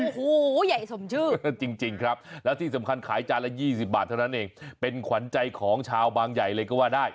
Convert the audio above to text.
โอ้โหใหญ่สมชื่อจริงครับแล้วที่สำคัญขายจานละ๒๐บาทเท่านั้นเองเป็นขวัญใจของชาวบางใหญ่เลยก็ว่าได้